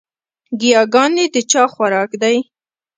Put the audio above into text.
ګياګانې د چا خوراک دے؟